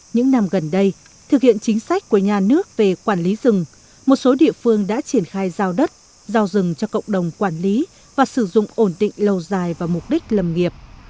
những năm gần đây thực hiện chính sách của nhà nước về quản lý rừng một số địa phương đã triển khai giao đất giao rừng cho cộng đồng quản lý và sử dụng ổn định lâu dài vào mục đích lầm nghiệp